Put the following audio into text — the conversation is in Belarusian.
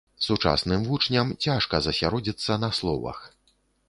Сучасным вучням цяжка засяродзіцца на словах.